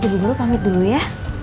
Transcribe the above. denny bu guru pamit dulu ya